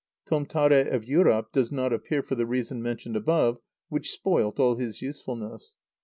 Tomtare of Yūrap does not appear for the reason mentioned above, which spoilt all his usefulness.